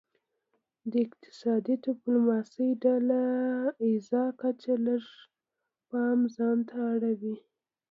د اقتصادي ډیپلوماسي ډله ایزه کچه لږ پام ځانته اړوي